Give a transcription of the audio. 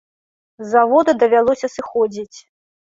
З завода давялося сыходзіць.